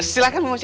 silahkan bu missy